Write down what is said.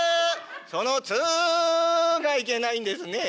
「その『ツッ』がいけないんですね。